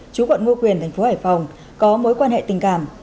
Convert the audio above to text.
trú quận ngo quyền tp hải phòng có mối quan hệ tình cảm